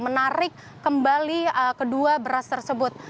menarik kembali kedua beras tersebut